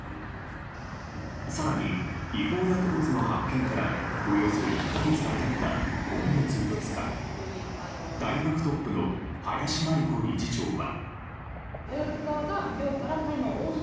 更に違法薬物の発見からおよそ１か月が経った今月２日、大学トップの林真理子理事長は。